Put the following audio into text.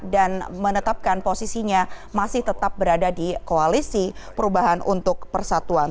dan menetapkan posisinya masih tetap berada di koalisi perubahan untuk persatuan